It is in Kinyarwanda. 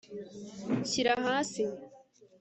Shyira hasi